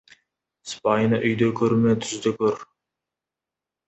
Сыпайыны үйде көрме, түзде көр.